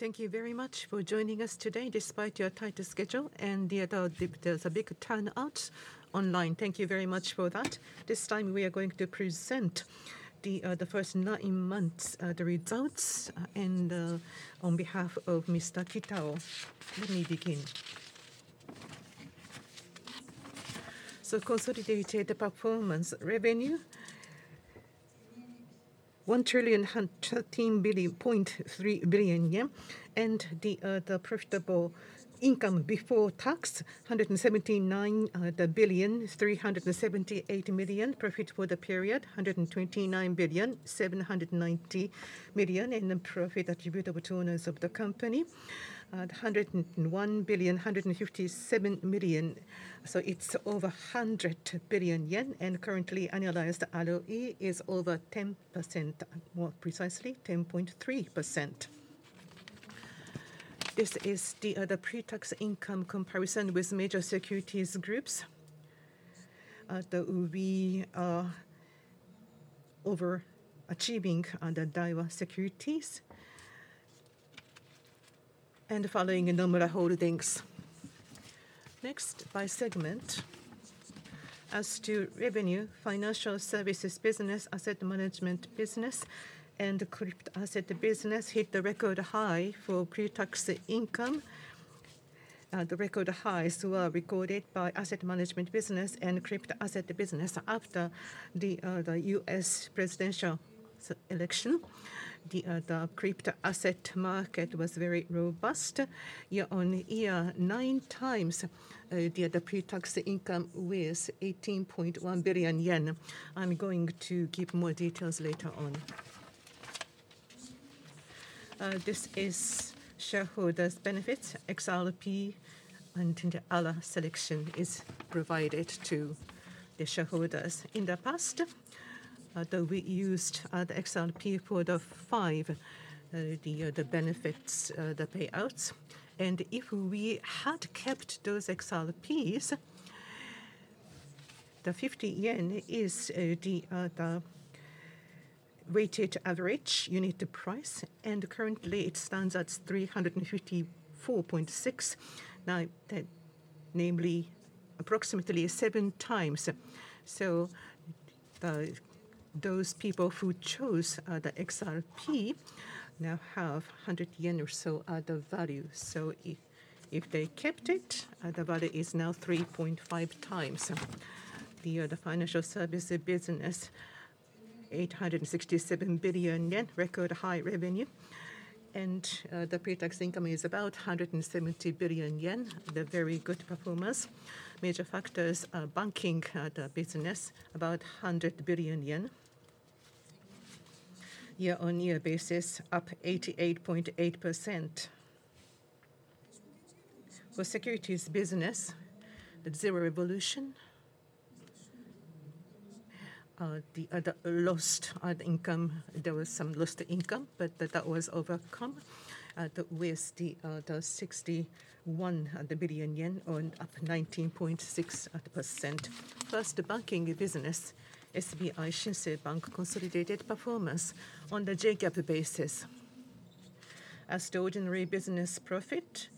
Thank you very much for joining us today despite your tight schedule, and there's a big turnout online. Thank you very much for that. This time we are going to present the first nine months' results, and on behalf of Mr. Kitao, let me begin. So, consolidated performance revenue: JPY 1 trillion 13.3 billion, and the profitable income before tax: 179 billion 378 million. Profit for the period: 129 billion 790 million, and the profit attributable to owners of the company: 101 billion 157 million. So, it's over 100 billion yen, and currently annualized ROE is over 10%, more precisely 10.3%. This is the pre-tax income comparison with major securities groups. We are overachieving under Daiwa Securities and following Nomura Holdings. Next, by segment, as to revenue, financial services business, asset management business, and crypto asset business hit the record high for pre-tax income. The record highs were recorded by asset management business and crypto asset business after the U.S. Presidential Election. The crypto asset market was very robust. Year on year, nine times the pre-tax income was 18.1 billion yen. I'm going to give more details later on. This is shareholders' benefits. XRP and other selection is provided to the shareholders in the past. We used the XRP for the five benefits, the payouts, and if we had kept those XRPs, the JPY 50 is the weighted average unit price, and currently it stands at 354.6, namely approximately seven times, so those people who chose the XRP now have 100 yen or so at the value, so if they kept it, the value is now 3.5x. The financial services business, 867 billion yen, record high revenue, and the pre-tax income is about 170 billion yen, the very good performance. Major factors are banking the business, about 100 billion yen, year on year basis, up 88.8%. For securities business, Zero Revolution. The other lost income, there was some lost income, but that was overcome. That was the JPY 61 billion earned, up 19.6%. First, the banking business, SBI Shinsei Bank, consolidated performance on the J-GAAP basis. As the ordinary business profit,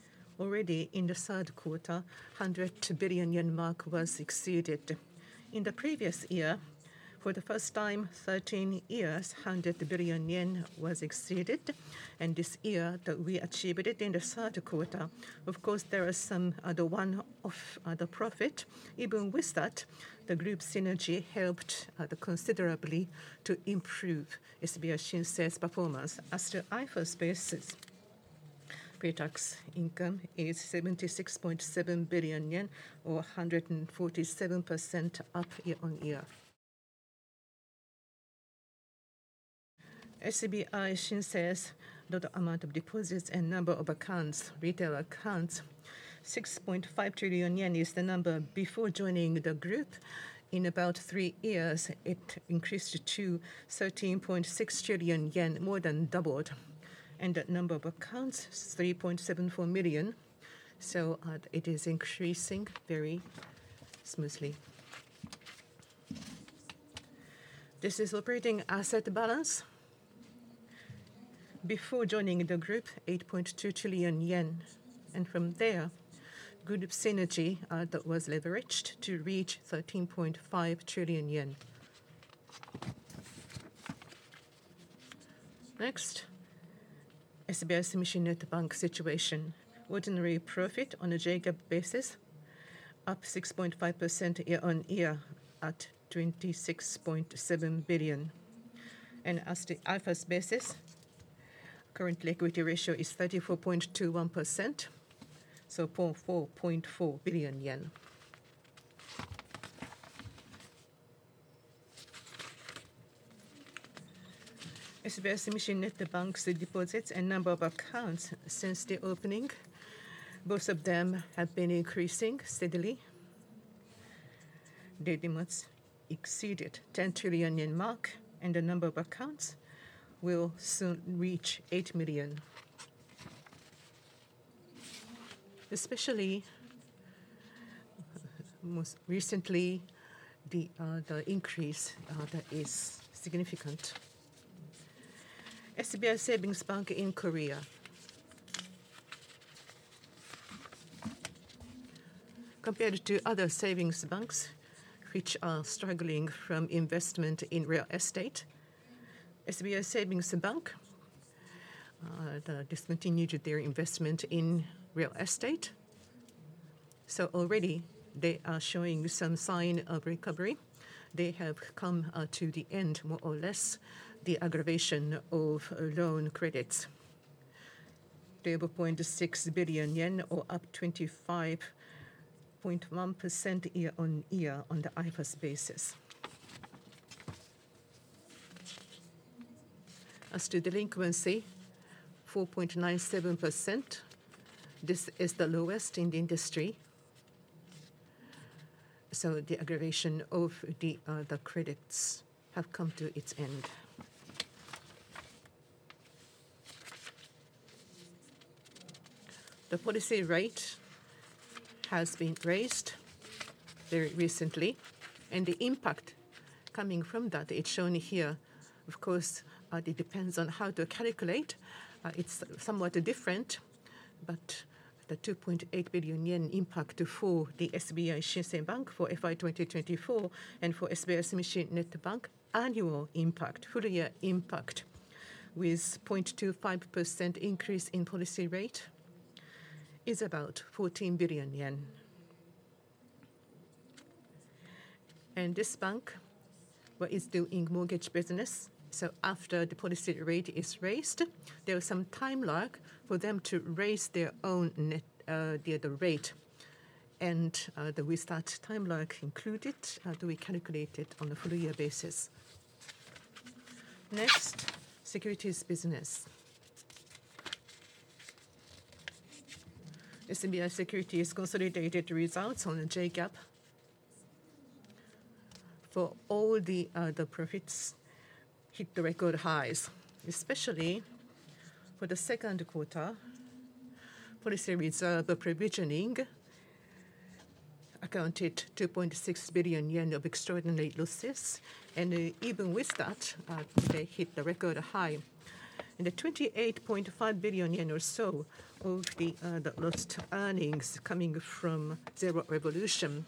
already in the third quarter, 100 billion yen mark was exceeded. In the previous year, for the first time in 13 years, 100 billion yen was exceeded, and this year we achieved it in the third quarter. Of course, there is some other one-off profit. Even with that, the group synergy helped considerably to improve SBI Shinsei Bank's performance. As to IFRS basis, pre-tax income is 76.7 billion yen, or 147% up year on year. SBI Shinsei Bank's total amount of deposits and number of accounts, retail accounts, 6.5 trillion yen is the number before joining the group. In about three years, it increased to 13.6 trillion yen, more than doubled. The number of accounts, 3.74 million. It is increasing very smoothly. This is operating asset balance. Before joining the group, 8.2 trillion yen. From there, good synergy that was leveraged to reach 13.5 trillion yen. Next, SBI Sumishin Net Bank's situation. Ordinary profit on a J-GAAP basis, up 6.5% year on year at 26.7 billion. As to IFRS basis, current equity ratio is 34.21%, so JPY 4.4 billion. SBI Sumishin Net Bank's deposits and number of accounts since the opening, both of them have been increasing steadily. They exceeded 10 trillion yen mark, and the number of accounts will soon reach 8 million. Especially most recently, the increase that is significant. SBI Savings Bank in Korea. Compared to other savings banks, which are struggling from investment in real estate, SBI Savings Bank discontinued their investment in real estate. So, already they are showing some sign of recovery. They have come to the end, more or less, the aggravation of loan credits. They have 0.6 billion yen, or up 25.1% year on year on the IFRS basis. As to delinquency, 4.97%. This is the lowest in the industry. So, the aggravation of the credits has come to its end. The policy rate has been raised very recently, and the impact coming from that, it's shown here. Of course, it depends on how to calculate. It's somewhat different, but the 2.8 billion yen impact for the SBI Shinsei Bank for FY 2024 and for SBI's Sumishin Net Bank annual impact, full year impact, with 0.25% increase in policy rate, is about JPY 14 billion. This bank is doing mortgage business. After the policy rate is raised, there is some time lag for them to raise their own rate. The interest time lag included to be calculated on a full year basis. Next, securities business. SBI Securities consolidated results on a J-GAAP. For all the profits, hit the record highs, especially for the second quarter. Policy reserve provisioning accounted for 2.6 billion yen of extraordinary losses, and even with that, they hit the record high. The 28.5 billion yen or so of the lost earnings coming from Zero Revolution.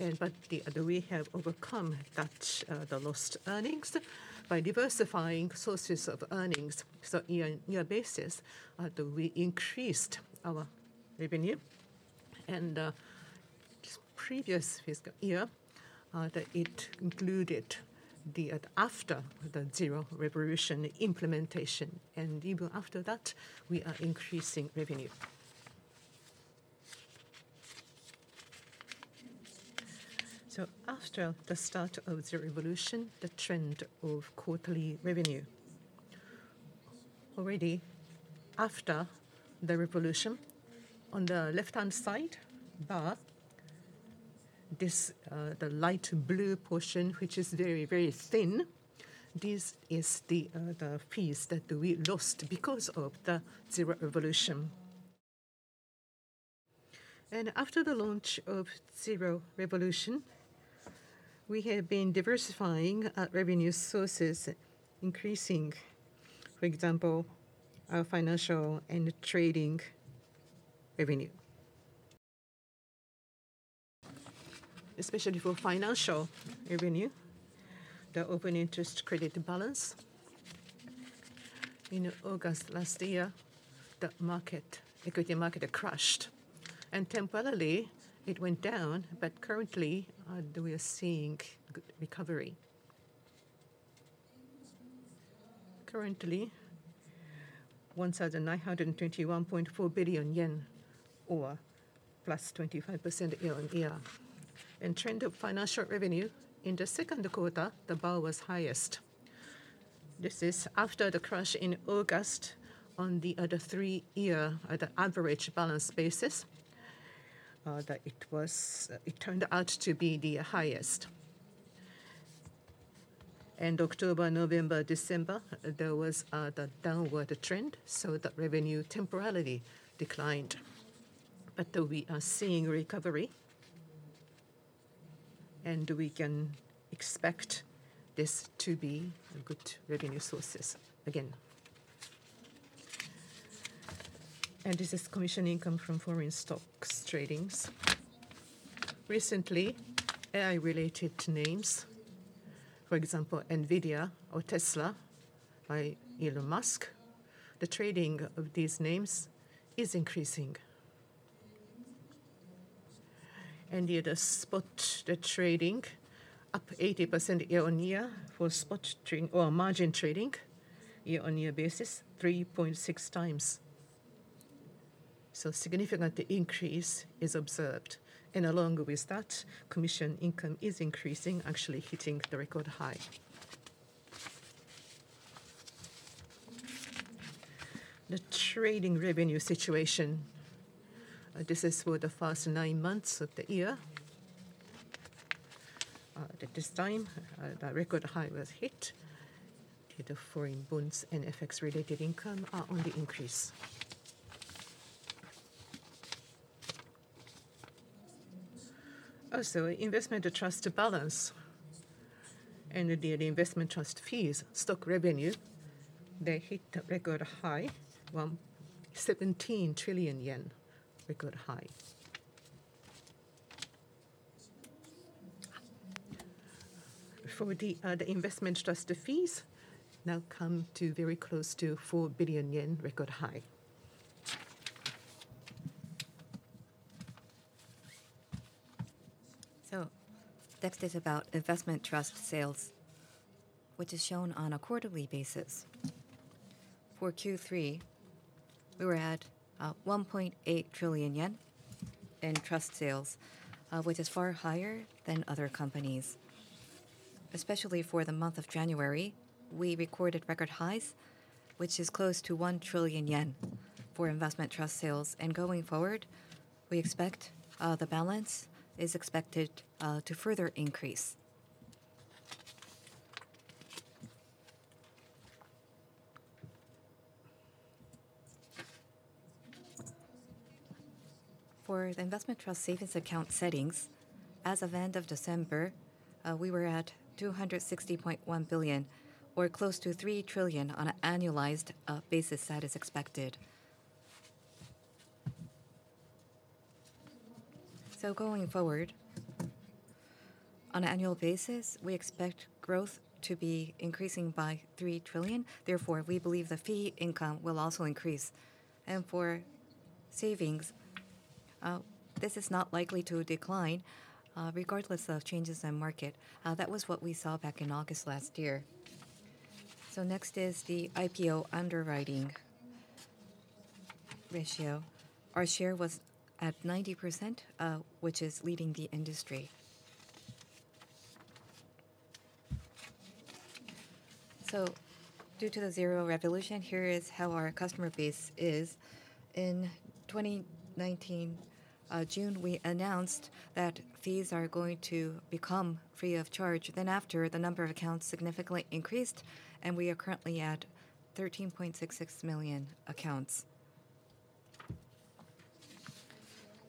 We have overcome that, the lost earnings, by diversifying sources of earnings. On a year-on-year basis, we increased our revenue. Previous year, it included the after the Zero Revolution implementation. Even after that, we are increasing revenue. So, after the start of Zero Revolution, the trend of quarterly revenue. Already after the revolution, on the left-hand side bar, the light blue portion, which is very, very thin, this is the fees that we lost because of the Zero Revolution. And after the launch of Zero Revolution, we have been diversifying revenue sources, increasing, for example, our financial and trading revenue. Especially for financial revenue, the open interest credit balance. In August last year, the market, equity market, crashed. And temporarily, it went down, but currently, we are seeing recovery. Currently, 1,921.4 billion yen, or plus 25% year on year. And trend of financial revenue, in the second quarter, the bar was highest. This is after the crash in August on the three-year average balance basis that it turned out to be the highest. And October, November, December, there was a downward trend, so that revenue temporarily declined. But we are seeing recovery, and we can expect this to be good revenue sources again. And this is commission income from foreign stocks trading. Recently, AI-related names, for example, Nvidia or Tesla by Elon Musk, the trading of these names is increasing. And the other spot, the trading, up 80% year on year for spot margin trading year on year basis, 3.6x. So, a significant increase is observed. And along with that, commission income is increasing, actually hitting the record high. The trading revenue situation, this is for the first nine months of the year. At this time, the record high was hit. The foreign bonds and FX-related income are on the increase. Also, investment trust balance and the investment trust fees, stock revenue, they hit the record high, 117 trillion yen, record high. For the investment trust fees, now come to very close to 4 billion yen, record high. So, next is about investment trust sales, which is shown on a quarterly basis. For Q3, we were at 1.8 trillion yen in trust sales, which is far higher than other companies. Especially for the month of January, we recorded record highs, which is close to 1 trillion yen for investment trust sales. And going forward, we expect the balance is expected to further increase. For the investment trust savings account settings, as of end of December, we were at 260.1 billion, or close to 3 trillion on an annualized basis that is expected. So, going forward, on an annual basis, we expect growth to be increasing by 3 trillion. Therefore, we believe the fee income will also increase. And for savings, this is not likely to decline regardless of changes in market. That was what we saw back in August last year. Next is the IPO underwriting ratio. Our share was at 90%, which is leading the industry. Due to the Zero Revolution, here is how our customer base is. In June 2019, we announced that fees are going to become free of charge. Then after, the number of accounts significantly increased, and we are currently at 13.66 million accounts.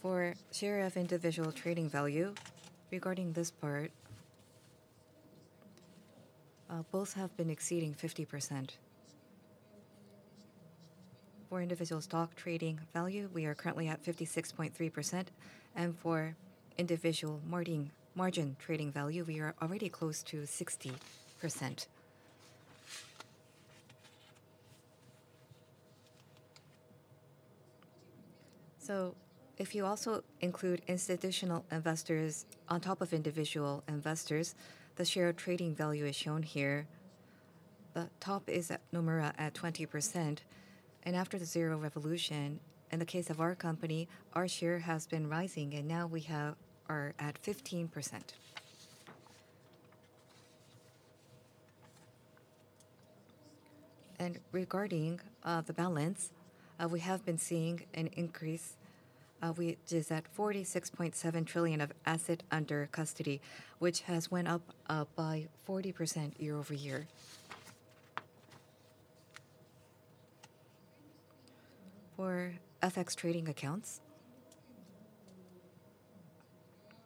For share of individual trading value, regarding this part, both have been exceeding 50%. For individual stock trading value, we are currently at 56.3%. And for individual margin trading value, we are already close to 60%. If you also include institutional investors on top of individual investors, the share of trading value is shown here. The top is at Nomura at 20%. After the Zero Revolution, in the case of our company, our share has been rising, and now we are at 15%. Regarding the balance, we have been seeing an increase. We are at 46.7 trillion of assets under custody, which has went up by 40% year over year. For FX trading accounts,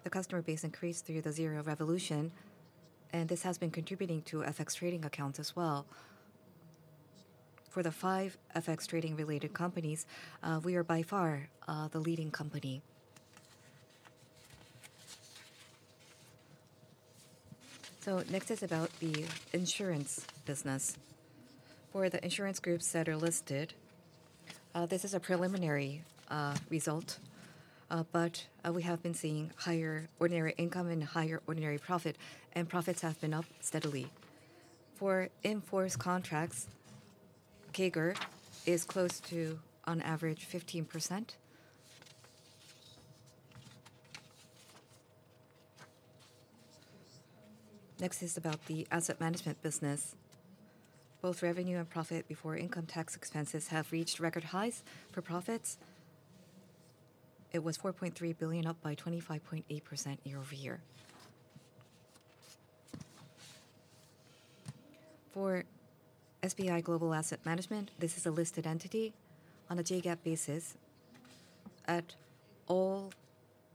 the customer base increased through the Zero Revolution, and this has been contributing to FX trading accounts as well. For the five FX trading-related companies, we are by far the leading company. Next is about the insurance business. For the insurance groups that are listed, this is a preliminary result, but we have been seeing higher ordinary income and higher ordinary profit, and profits have been up steadily. For in-force contracts, CAGR is close to, on average, 15%. Next is about the asset management business. Both revenue and profit before income tax expenses have reached record highs for profits. It was 4.3 billion, up by 25.8% year over year. For SBI Global Asset Management, this is a listed entity on a J-GAAP basis. At all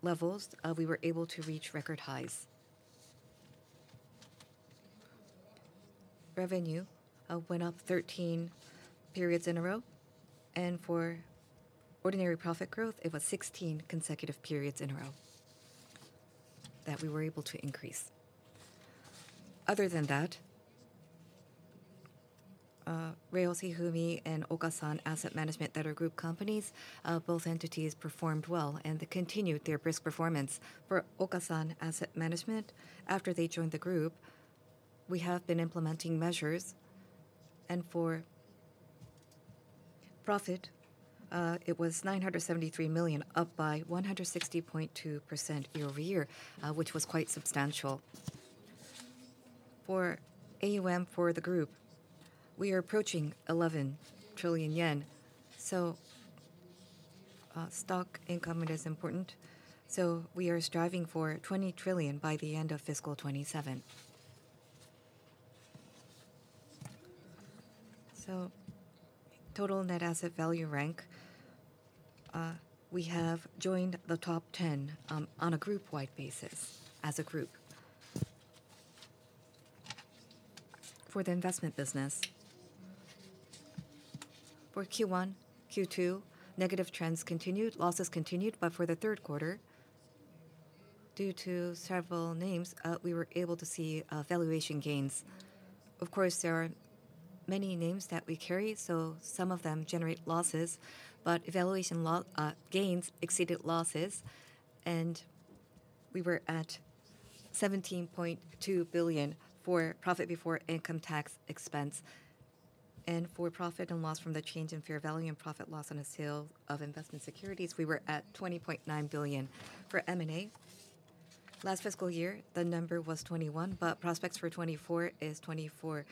levels, we were able to reach record highs. Revenue went up 13 periods in a row, and for ordinary profit growth, it was 16 consecutive periods in a row that we were able to increase. Other than that, Rheos, Hifumi, and Okasan Asset Management that are group companies, both entities performed well and continued their brisk performance. For Okasan Asset Management, after they joined the group, we have been implementing measures. And for profit, it was 973 million, up by 160.2% year over year, which was quite substantial. For AUM for the group, we are approaching 11 trillion yen. Stock income is important. We are striving for 20 trillion by the end of fiscal 2027. Total net asset value rank, we have joined the top 10 on a group-wide basis as a group. For the investment business, for Q1, Q2, negative trends continued, losses continued, but for the third quarter, due to several names, we were able to see valuation gains. Of course, there are many names that we carry, so some of them generate losses, but valuation gains exceeded losses, and we were at 17.2 billion for profit before income tax expense. For profit and loss from the change in fair value and profit loss on a sale of investment securities, we were at 20.9 billion for M&A. Last fiscal year, the number was 21, but prospects for 2024 is 24.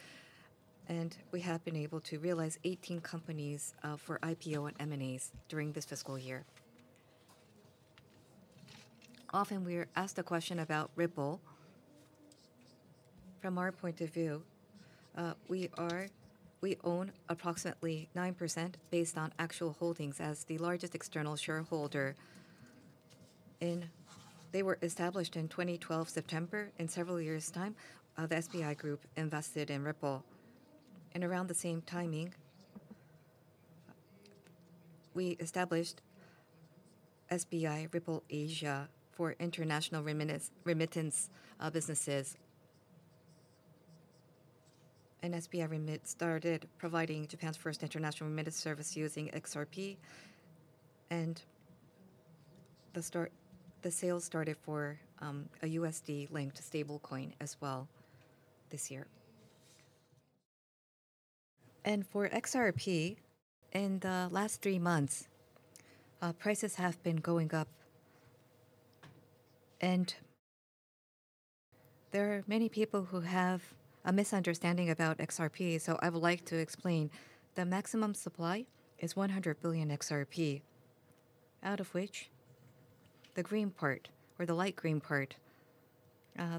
We have been able to realize 18 companies for IPO and M&As during this fiscal year. Often, we are asked the question about Ripple. From our point of view, we own approximately 9% based on actual holdings as the largest external shareholder. They were established in September 2012. In several years' time, the SBI Group invested in Ripple, and around the same timing, we established SBI Ripple Asia for international remittance businesses, and SBI Remit started providing Japan's first international remittance service using XRP, and the sales started for a USD-linked stablecoin as well this year, and for XRP, in the last three months, prices have been going up, and there are many people who have a misunderstanding about XRP, so I would like to explain. The maximum supply is 100 billion XRP, out of which the green part, or the light green part,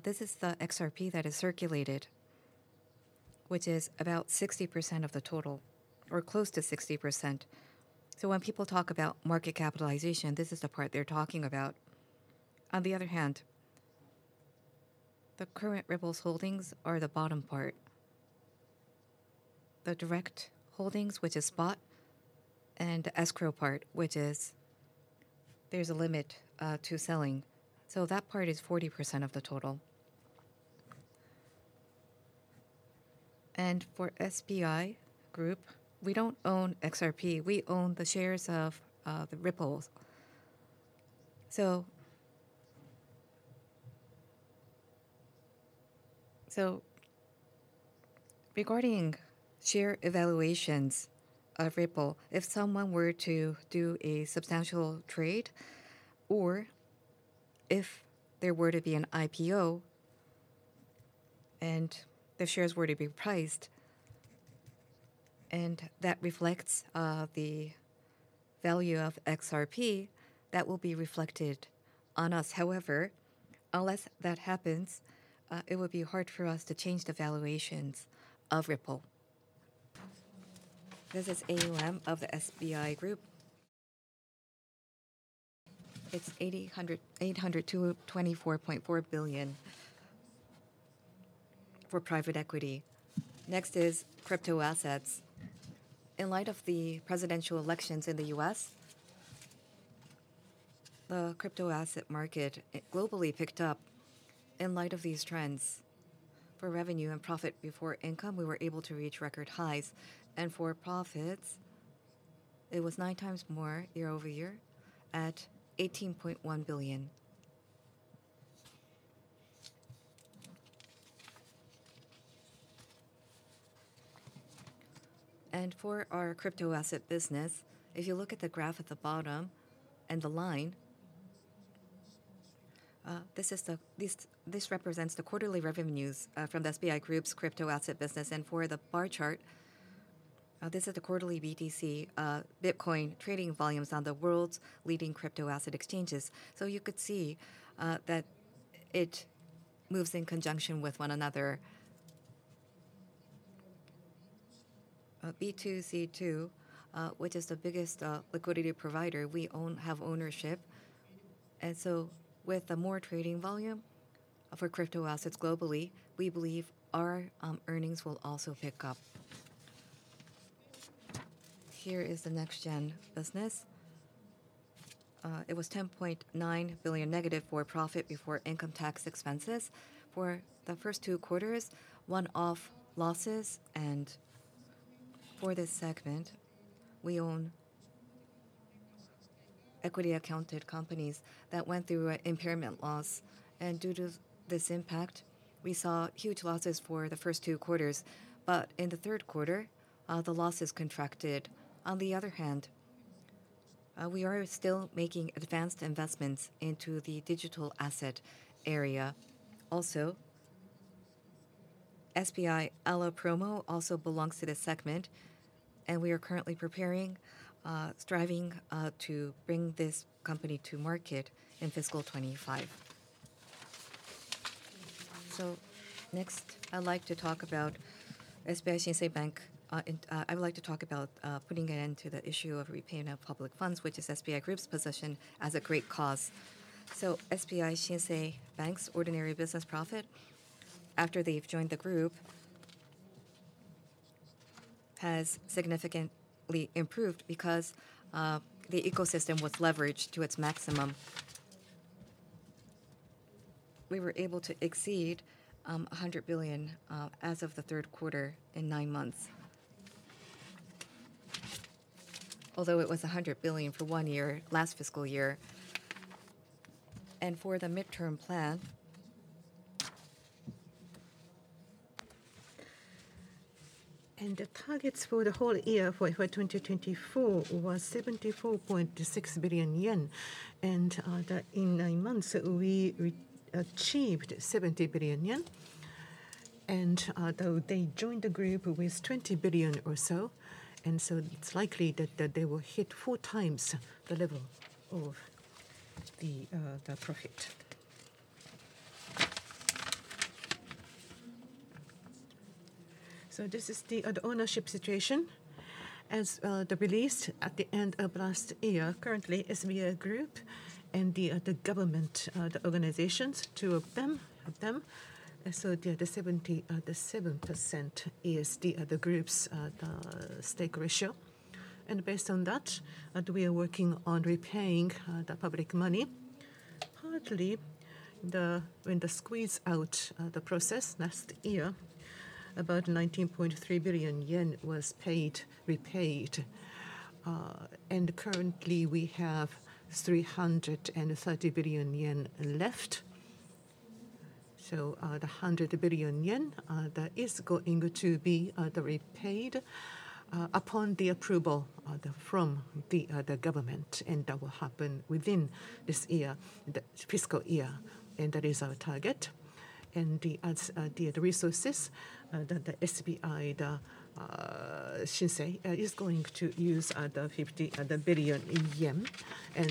this is the XRP that is circulated, which is about 60% of the total, or close to 60%. When people talk about market capitalization, this is the part they're talking about. On the other hand, the current Ripple's holdings are the bottom part, the direct holdings, which is spot, and the escrow part, which is there's a limit to selling. That part is 40% of the total. For SBI Group, we don't own XRP. We own the shares of Ripple. Regarding share evaluations of Ripple, if someone were to do a substantial trade, or if there were to be an IPO and the shares were to be priced, and that reflects the value of XRP, that will be reflected on us. However, unless that happens, it would be hard for us to change the valuations of Ripple. This is AUM of the SBI Group. It's 824.4 billion for private equity. Next is crypto assets. In light of the Presidential Elections in the U.S., the crypto asset market globally picked up in light of these trends. For revenue and profit before income, we were able to reach record highs, and for profits, it was nine times more year over year at JPY 18.1 billion, and for our crypto asset business, if you look at the graph at the bottom and the line, this represents the quarterly revenues from the SBI Group's crypto asset business, and for the bar chart, this is the quarterly BTC Bitcoin trading volumes on the world's leading crypto asset exchanges, so you could see that it moves in conjunction with one another. B2C2, which is the biggest liquidity provider we have ownership, and so, with more trading volume for crypto assets globally, we believe our earnings will also pick up. Here is the next-gen business. It was 10.9 billion negative for profit before income tax expenses. For the first two quarters, one-off losses. For this segment, we own equity-accounted companies that went through an impairment loss. Due to this impact, we saw huge losses for the first two quarters. In the third quarter, the losses contracted. On the other hand, we are still making advanced investments into the digital asset area. Also, SBI Ala Promo also belongs to this segment, and we are currently preparing, striving to bring this company to market in fiscal 2025. Next, I'd like to talk about SBI Shinsei Bank. I would like to talk about putting an end to the issue of repayment of public funds, which is SBI Group's position as a great cause. SBI Shinsei Bank's ordinary business profit, after they've joined the group, has significantly improved because the ecosystem was leveraged to its maximum. We were able to exceed 100 billion as of the third quarter in nine months, although it was 100 billion for one year, last fiscal year. For the midterm plan, the targets for the whole year for 2024 were 74.6 billion yen. In nine months, we achieved 70 billion yen. They joined the group with 20 billion or so. It's likely that they will hit four times the level of the profit. This is the ownership situation as the release at the end of last year. Currently, SBI Group and the government, the organizations, two of them. The 70% is the group's stake ratio. Based on that, we are working on repaying the public money. Partly, when the squeeze-out process last year, about 19.3 billion yen was paid, repaid. And currently, we have 330 billion yen left. So, the 100 billion yen that is going to be repaid upon the approval from the government. And that will happen within this year, the fiscal year. And that is our target. And the resources that the SBI Shinsei is going to use, the 50 billion yen, and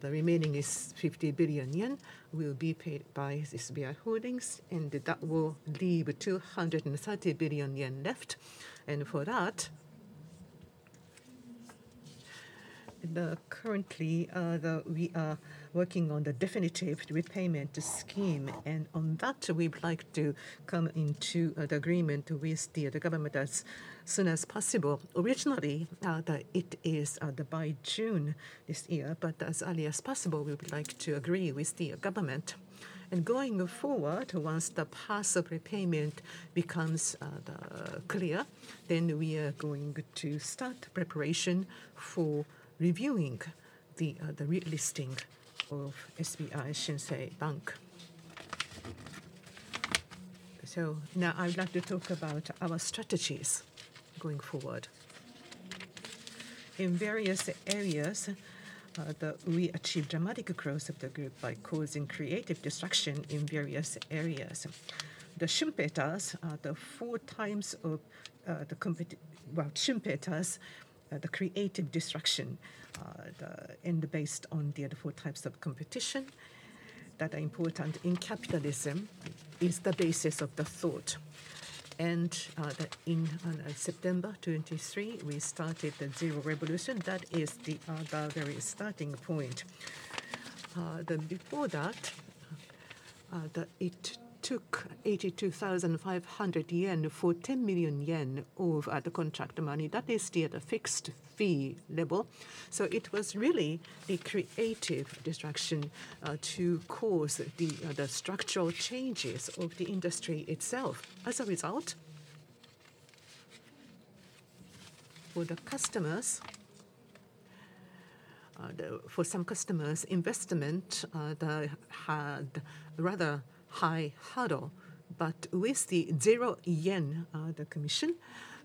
the remaining 50 billion yen will be paid by SBI Holdings. And that will leave 230 billion yen left. And for that, currently, we are working on the definitive repayment scheme. And on that, we'd like to come into the agreement with the government as soon as possible. Originally, it is by June this year, but as early as possible, we would like to agree with the government. Going forward, once the path of repayment becomes clear, then we are going to start preparation for reviewing the relisting of SBI Shinsei Bank. So, now I'd like to talk about our strategies going forward. In various areas, we achieved dramatic growth of the group by causing creative destruction in various areas. The Schumpeter, the four times of the Schumpeter, the creative destruction, and based on the four types of competition that are important in capitalism is the basis of the thought. In September 2023, we started the Zero Revolution. That is the very starting point. Before that, it took 82,500 yen for 10 million yen of the contract money. That is the fixed fee level. So, it was really the creative destruction to cause the structural changes of the industry itself. As a result, for some customers, investment had a rather high hurdle. But with the zero yen, the commission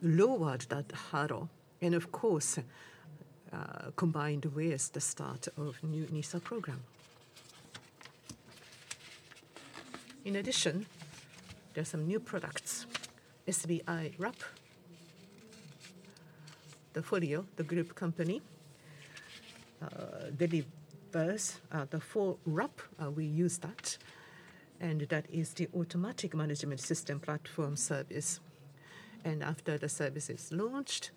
lowered that hurdle. And of course, combined with the start of the new NISA program. In addition, there are some new products. SBI WRAP, the FOLIO, the group company, delivers the SBI WRAP. We use that. And that is the automatic management system platform service. And after the service is launched,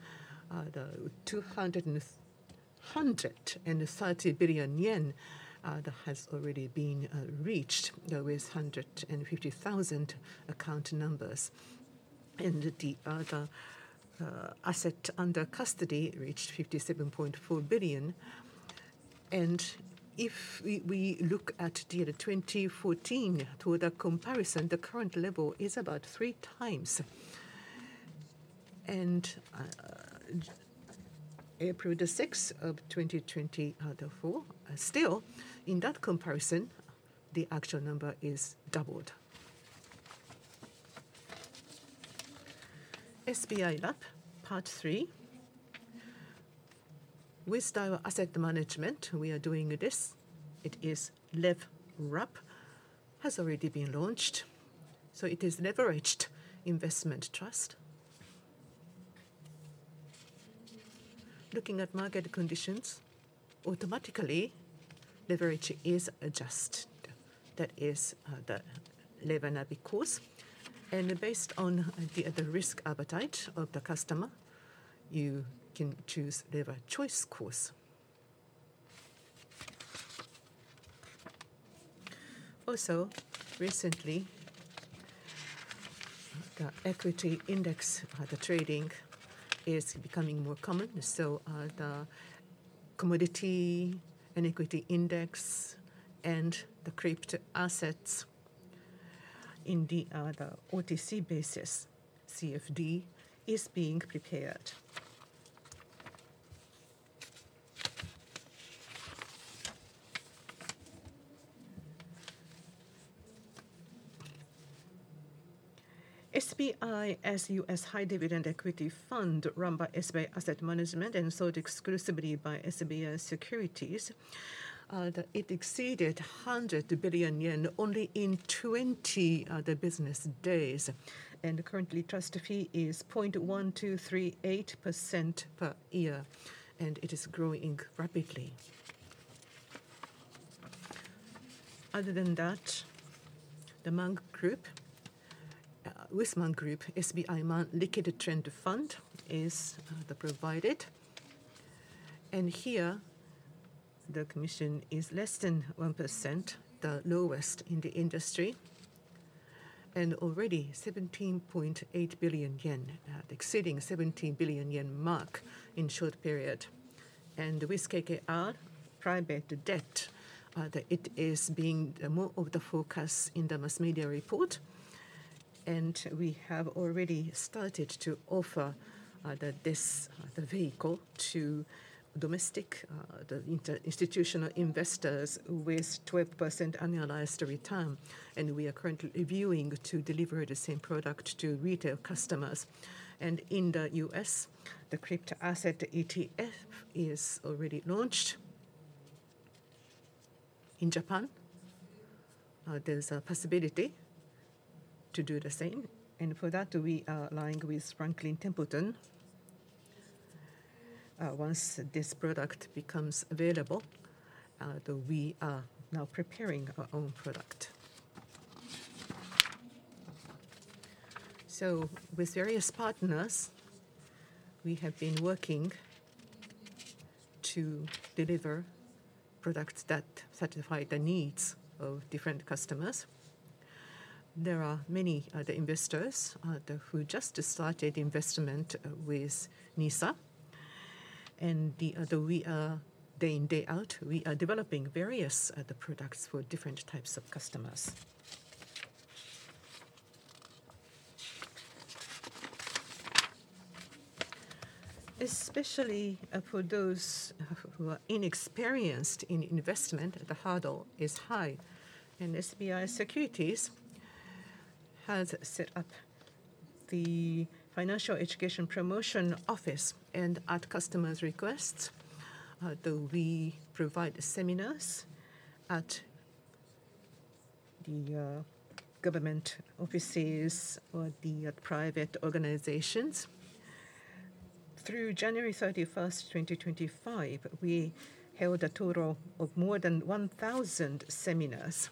the 230 billion yen that has already been reached with 150,000 account numbers. And the asset under custody reached 57.4 billion. And if we look at the year 2014, through the comparison, the current level is about three times. And April the 6th of 2024, still, in that comparison, the actual number is doubled. SBI WRAP, part three, with our asset management, we are doing this. It is Lev WRAP, has already been launched. So, it is leveraged investment trust. Looking at market conditions, automatically, leverage is adjusted. That is the leverage and levy course. And based on the risk appetite of the customer, you can choose leverage course. Also, recently, the equity index, the trading, is becoming more common. So, the commodity and equity index and the crypto assets in the OTC basis, CFD, is being prepared. SBI Japanese High Dividend Equity Fund, run by SBI Asset Management and sold exclusively by SBI Securities, it exceeded 100 billion yen only in 20 business days. And currently, trust fee is 0.1238% per year. And it is growing rapidly. Other than that, the Man Group, with Man Group, SBI Man Liquid Trend Fund is provided. And here, the commission is less than 1%, the lowest in the industry. And already 17.8 billion yen, exceeding 17 billion yen mark in short period. And with KKR private debt, it is being more of the focus in the mass media report. And we have already started to offer this vehicle to domestic institutional investors with 12% annualized return. And we are currently viewing to deliver the same product to retail customers. And in the U.S., the crypto asset ETF is already launched. In Japan, there's a possibility to do the same. And for that, we are aligned with Franklin Templeton. Once this product becomes available, we are now preparing our own product. So, with various partners, we have been working to deliver products that satisfy the needs of different customers. There are many investors who just started investment with NISA. And day in, day out, we are developing various products for different types of customers. Especially for those who are inexperienced in investment, the hurdle is high. SBI Securities has set up the Financial Education Promotion Office. At customers' requests, we provide seminars at the government offices or the private organizations. Through January 31st, 2025, we held a total of more than 1,000 seminars.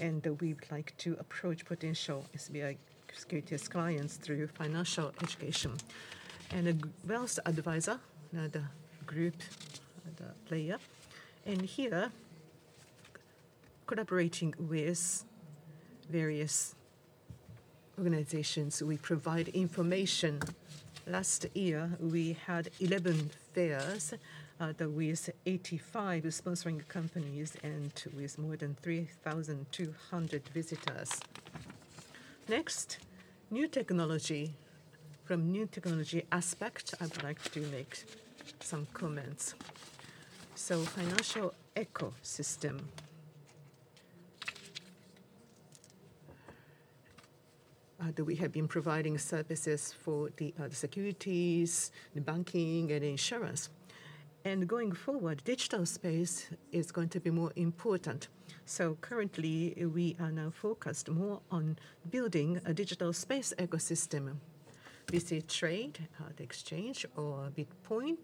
We'd like to approach potential SBI Securities clients through financial education. A Wealth Advisor, the group, the player. Here, collaborating with various organizations, we provide information. Last year, we had 11 fairs with 85 sponsoring companies and with more than 3,200 visitors. Next, new technology. From new technology aspect, I would like to make some comments. Financial ecosystem. We have been providing services for the securities, the banking, and insurance. Going forward, digital space is going to be more important. Currently, we are now focused more on building a digital space ecosystem. This is trade, the exchange or Bitcoin,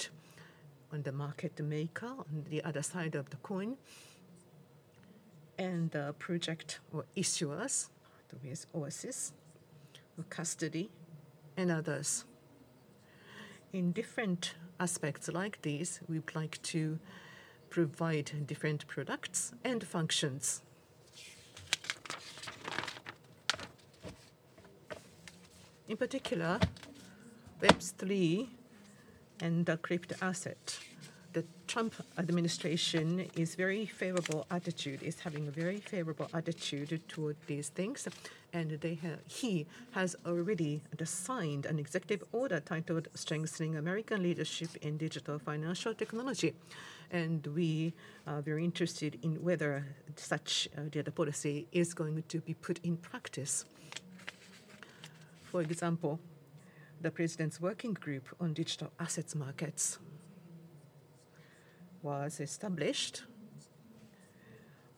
on the market maker, on the other side of the coin. The project or issuers, with Oasys, custody, and others. In different aspects like these, we'd like to provide different products and functions. In particular, Web3 and the crypto asset. The Trump administration is very favorable attitude, is having a very favorable attitude toward these things. He has already signed an executive order titled Strengthening American Leadership in Digital Financial Technology. We are very interested in whether such a policy is going to be put in practice. For example, the President's Working Group on digital assets markets was established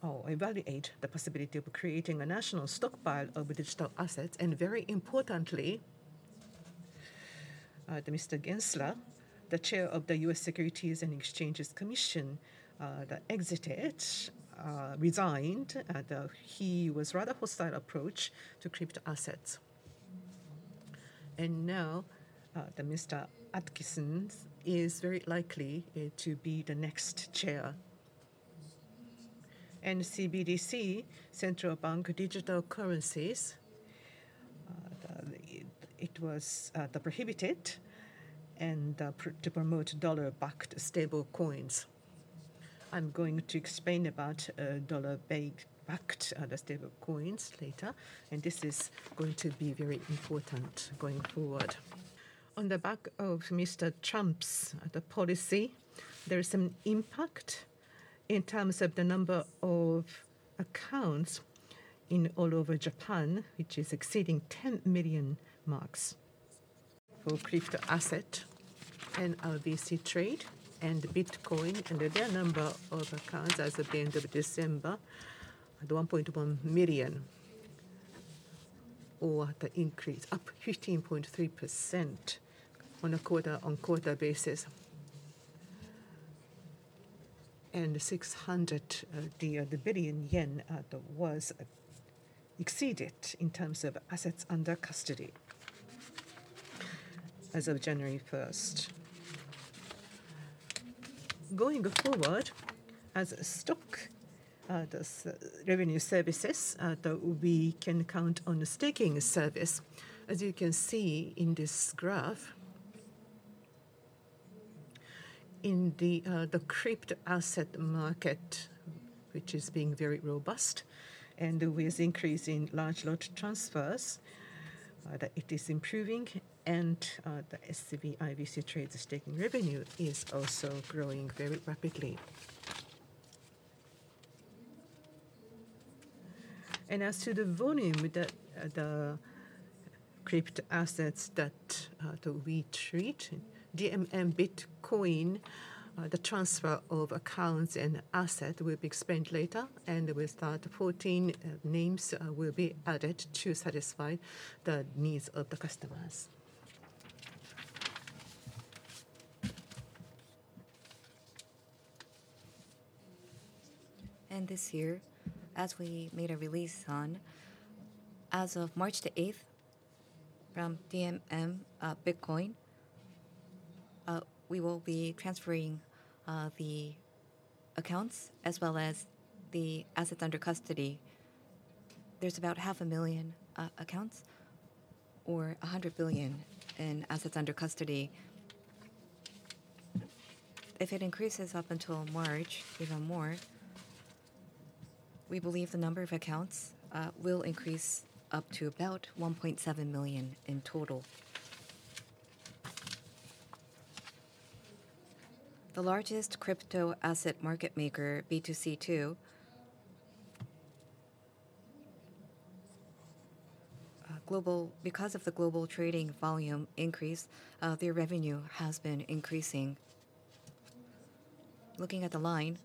or evaluated the possibility of creating a national stockpile of digital assets. Very importantly, Mr. Gensler, the Chair of the U.S. Securities and Exchange Commission, that exited, resigned, that he was rather hostile approach to crypto assets. And now, Mr. Atkins is very likely to be the next chair. CBDC, Central Bank Digital Currencies, it was prohibited to promote dollar-backed stable coins. I'm going to explain about dollar-backed stable coins later. This is going to be very important going forward. On the back of Mr. Trump's policy, there is an impact in terms of the number of accounts all over Japan, which is exceeding 10 million marks for crypto asset and LTC trade and Bitcoin. Their number of accounts as of the end of December, the 1.1 million or the increase up 15.3% on a quarter-on-quarter basis. JPY 600 billion was exceeded in terms of assets under custody as of January 1st. Going forward, as stock revenue services, we can count on the staking service. As you can see in this graph, in the crypto asset market, which is being very robust and with increasing large lot transfers, it is improving, and the SBI VC Trade staking revenue is also growing very rapidly. As to the volume of the crypto assets that we trade, DMM Bitcoin, the transfer of accounts and assets will be explained later. With that, 14 names will be added to satisfy the needs of the customers. This year, as we made a release on as of March the 8th, from DMM Bitcoin, we will be transferring the accounts as well as the assets under custody. There are about 500,000 accounts or 100 billion in assets under custody. If it increases up until March, even more, we believe the number of accounts will increase up to about 1.7 million in total. The largest crypto asset market maker, B2C2, because of the global trading volume increase, their revenue has been increasing. Looking at the line,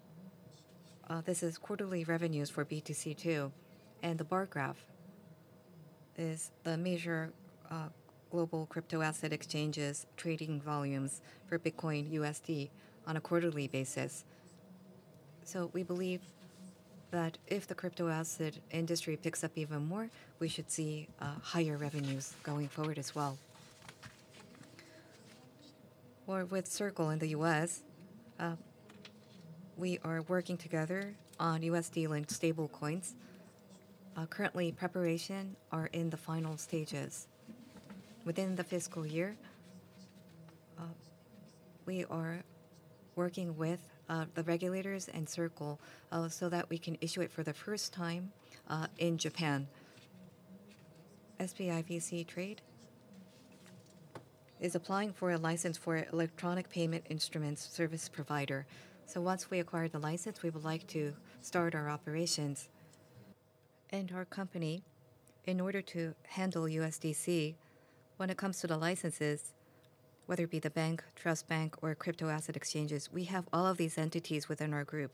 this is quarterly revenues for B2C2. The bar graph is the major global crypto asset exchanges trading volumes for Bitcoin USD on a quarterly basis. We believe that if the crypto asset industry picks up even more, we should see higher revenues going forward as well. With Circle in the U.S., we are working together on USD-linked stable coins. Currently, preparations are in the final stages. Within the fiscal year, we are working with the regulators and Circle so that we can issue it for the first time in Japan. SBI VC Trade is applying for a license for electronic payment instruments service provider. Once we acquire the license, we would like to start our operations. And our company, in order to handle USDC, when it comes to the licenses, whether it be the bank, trust bank, or crypto asset exchanges, we have all of these entities within our group.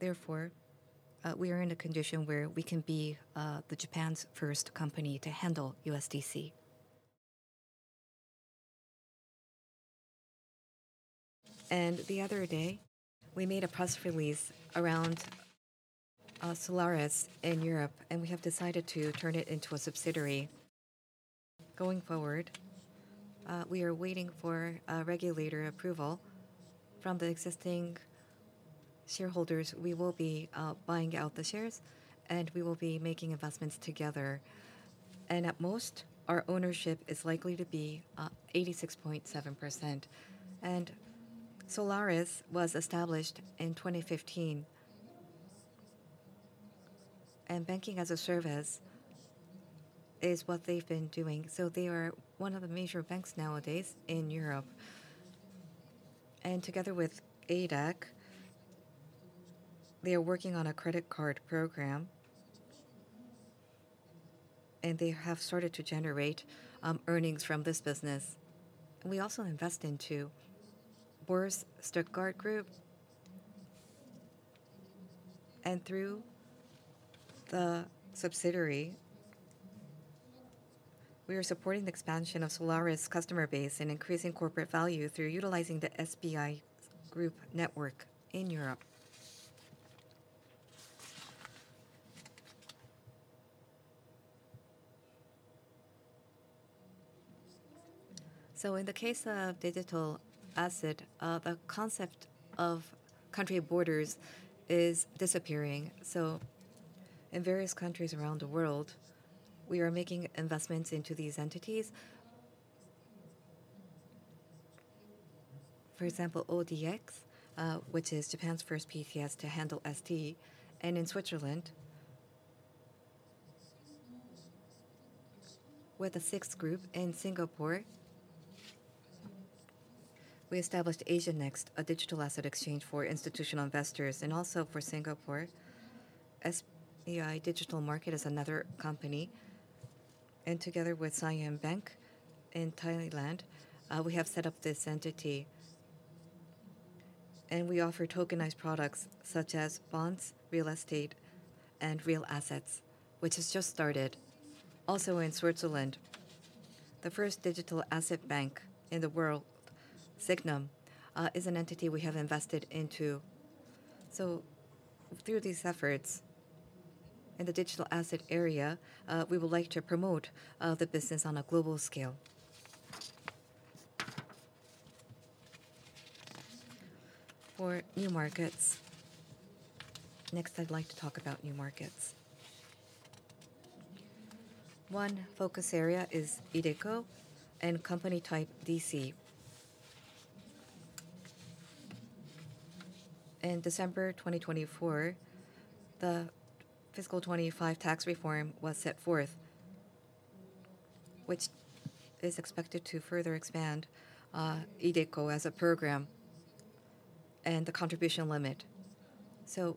Therefore, we are in a condition where we can be Japan's first company to handle USDC. And the other day, we made a press release around Solaris in Europe, and we have decided to turn it into a subsidiary. Going forward, we are waiting for regulator approval. From the existing shareholders, we will be buying out the shares, and we will be making investments together. And at most, our ownership is likely to be 86.7%. And Solaris was established in 2015. And banking as a service is what they've been doing. So, they are one of the major banks nowadays in Europe. And together with ADAC, they are working on a credit card program. They have started to generate earnings from this business. We also invest into Boerse Stuttgart Group. Through the subsidiary, we are supporting the expansion of Solaris' customer base and increasing corporate value through utilizing the SBI Group network in Europe. In the case of digital asset, the concept of country borders is disappearing. In various countries around the world, we are making investments into these entities. For example, ODX, which is Japan's first PTS to handle ST. In Switzerland, with SIX Group in Singapore, we established AsiaNext, a digital asset exchange for institutional investors and also for Singapore. SBI Digital Markets is another company. Together with Siam Commercial Bank in Thailand, we have set up this entity. We offer tokenized products such as bonds, real estate, and real assets, which has just started. Also, in Switzerland, the first digital asset bank in the world, Sygnum, is an entity we have invested into. So, through these efforts in the digital asset area, we would like to promote the business on a global scale. For new markets, next, I'd like to talk about new markets. One focus area is iDeCo and company type DC. In December 2024, the fiscal 25 tax reform was set forth, which is expected to further expand iDeCo as a program and the contribution limit. So,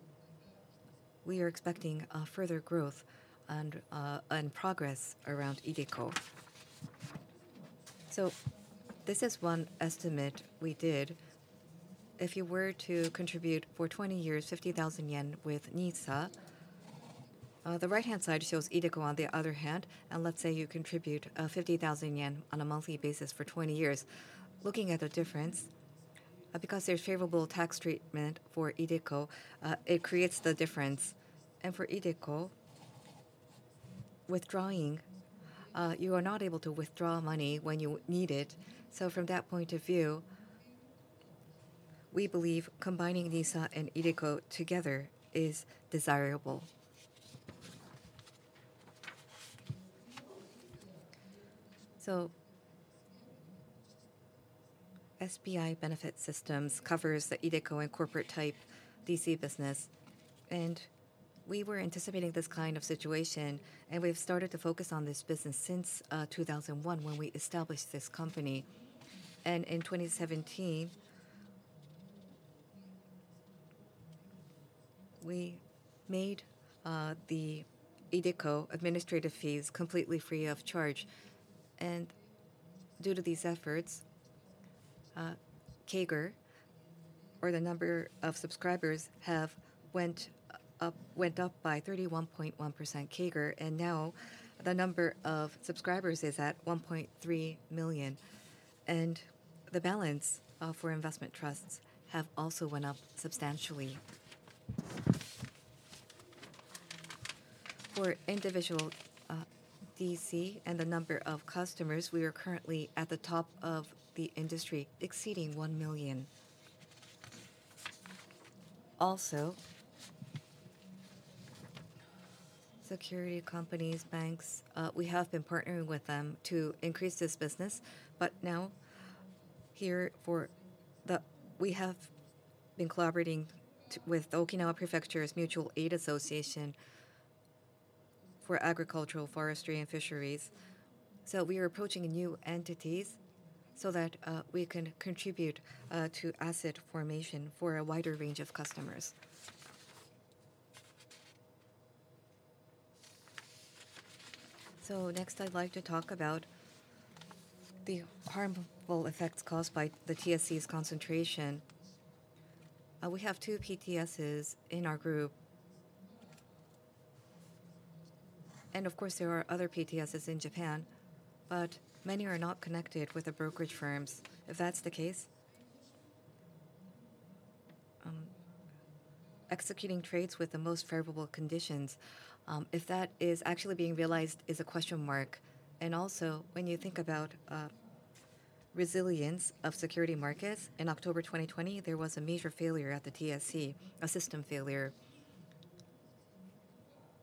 we are expecting further growth and progress around iDeCo. So, this is one estimate we did. If you were to contribute for 20 years, 50,000 yen with NISA, the right-hand side shows iDeCo on the other hand. And let's say you contribute 50,000 yen on a monthly basis for 20 years. Looking at the difference, because there's favorable tax treatment for iDeCo, it creates the difference. And for iDeCo, withdrawing, you are not able to withdraw money when you need it. So, from that point of view, we believe combining NISA and iDeCo together is desirable. So, SBI Benefit Systems covers the iDeCo and corporate type DC business. And we were anticipating this kind of situation. And we've started to focus on this business since 2001 when we established this company. And in 2017, we made the iDeCo administrative fees completely free of charge. And due to these efforts, CAGR, or the number of subscribers, have went up by 31.1%. CAGR, and now the number of subscribers is at 1.3 million. And the balance for investment trusts have also went up substantially. For iDeCo and the number of customers, we are currently at the top of the industry, exceeding one million. Also, securities companies, banks, we have been partnering with them to increase this business. But now, we have been collaborating with the Okinawa Prefecture's Mutual Aid Association for Agricultural, Forestry, and Fisheries. So, we are approaching new entities so that we can contribute to asset formation for a wider range of customers. So, next, I'd like to talk about the harmful effects caused by the TSE's concentration. We have two PTSs in our group. And of course, there are other PTSs in Japan, but many are not connected with the brokerage firms. If that's the case, executing trades with the most favorable conditions, if that is actually being realized, is a question mark. Also, when you think about resilience of securities markets, in October 2020, there was a major failure at the TSE, a system failure.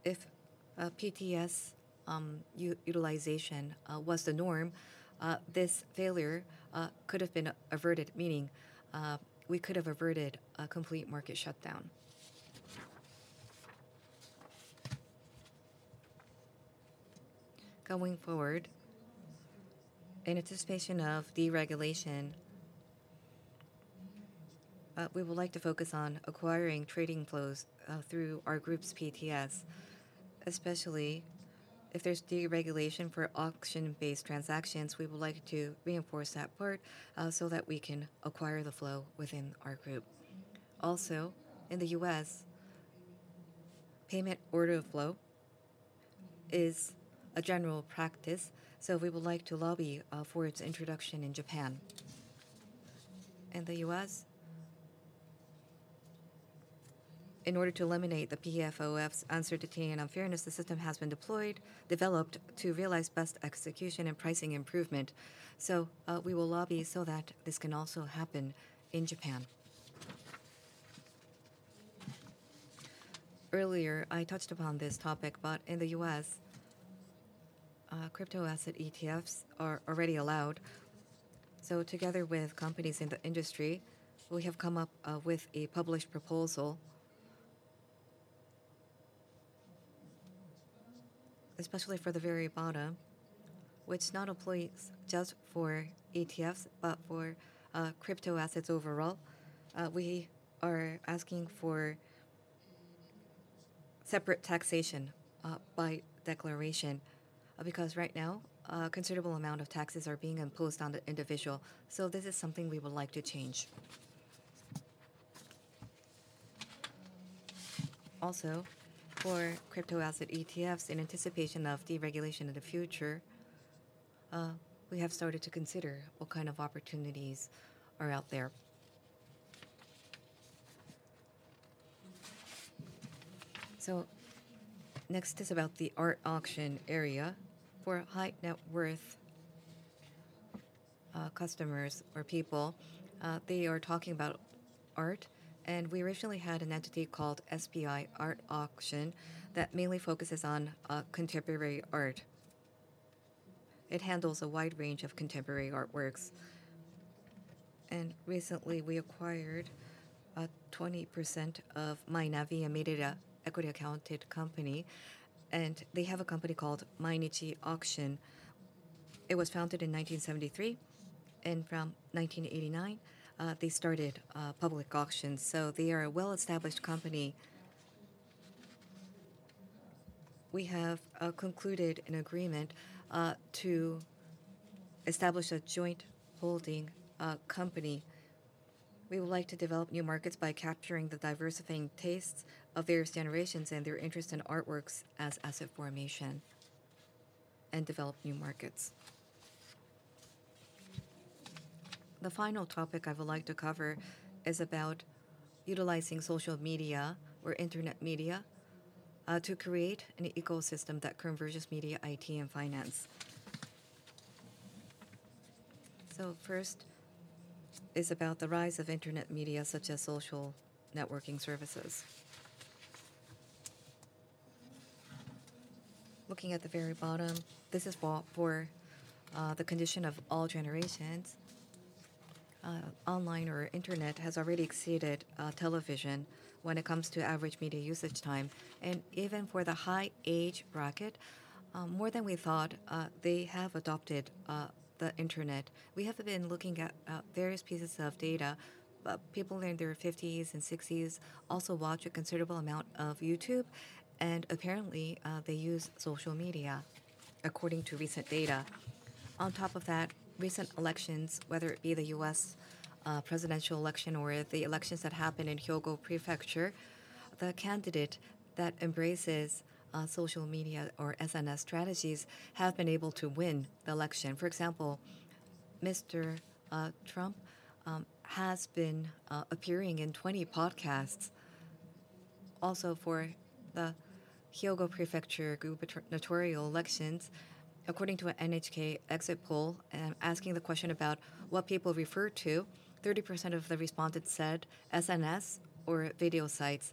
If PTS utilization was the norm, this failure could have been averted, meaning we could have averted a complete market shutdown. Going forward, in anticipation of deregulation, we would like to focus on acquiring trading flows through our group's PTS, especially if there's deregulation for auction-based transactions. We would like to reinforce that part so that we can acquire the flow within our group. Also, in the U.S., payment for order flow is a general practice. We would like to lobby for its introduction in Japan. In the U.S., in order to eliminate the PFOF's uncertainty and unfairness, the system has been deployed, developed to realize best execution and pricing improvement. We will lobby so that this can also happen in Japan. Earlier, I touched upon this topic, but in the U.S., crypto asset ETFs are already allowed, so together with companies in the industry, we have come up with a published proposal, especially for the very bottom, which not employs just for ETFs, but for crypto assets overall. We are asking for separate taxation by declaration because right now, a considerable amount of taxes are being imposed on the individual, so this is something we would like to change. Also, for crypto asset ETFs, in anticipation of deregulation in the future, we have started to consider what kind of opportunities are out there, so next is about the art auction area. For high net worth customers or people, they are talking about art, and we originally had an entity called SBI Art Auction that mainly focuses on contemporary art. It handles a wide range of contemporary artworks. Recently, we acquired 20% of Mynavi, an equity-accounted company, and they have a company called Mainichi Auction. It was founded in 1973, and from 1989, they started public auctions. They are a well-established company. We have concluded an agreement to establish a joint holding company. We would like to develop new markets by capturing the diversifying tastes of various generations and their interest in artworks as asset formation and develop new markets. The final topic I would like to cover is about utilizing social media or internet media to create an ecosystem that converges media, IT, and finance. First is about the rise of internet media such as social networking services. Looking at the very bottom, this is for the condition of all generations. Online or internet has already exceeded television when it comes to average media usage time. Even for the high age bracket, more than we thought, they have adopted the internet. We have been looking at various pieces of data. People in their 50s and 60s also watch a considerable amount of YouTube, and apparently, they use social media according to recent data. On top of that, recent elections, whether it be the U.S. Presidential Election or the elections that happened in Hyogo Prefecture, the candidate that embraces social media or SNS strategies has been able to win the election. For example, Mr. Trump has been appearing in 20 podcasts. Also, for the Hyogo Prefecture gubernatorial elections, according to an NHK exit poll, and asking the question about what people refer to, 30% of the respondents said SNS or video sites,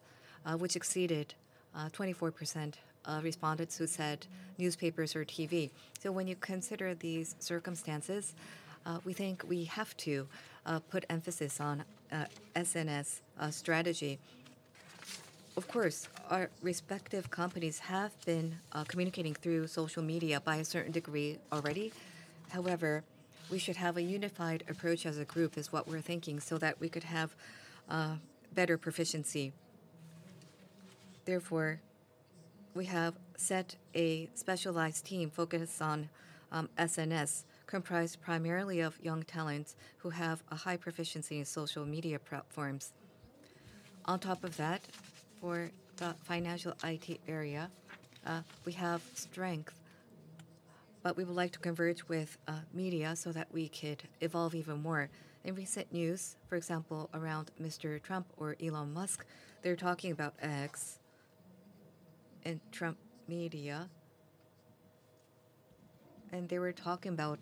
which exceeded 24% of respondents who said newspapers or TV. When you consider these circumstances, we think we have to put emphasis on SNS strategy. Of course, our respective companies have been communicating through social media by a certain degree already. However, we should have a unified approach as a group is what we're thinking so that we could have better proficiency. Therefore, we have set a specialized team focused on SNS, comprised primarily of young talents who have a high proficiency in social media platforms. On top of that, for the financial IT area, we have strength, but we would like to converge with media so that we could evolve even more. In recent news, for example, around Mr. Trump or Elon Musk, they're talking about X and Trump Media. They were talking about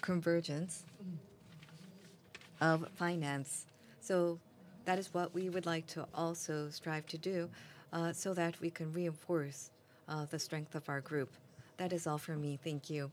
convergence of finance. So, that is what we would like to also strive to do so that we can reinforce the strength of our group. That is all for me. Thank you.